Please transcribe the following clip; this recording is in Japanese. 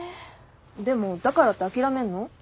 でもだからって諦めるの？